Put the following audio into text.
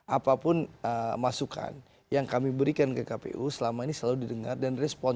apapun masukan yang kami berikan ke kpu selama ini selalu didengar dan respon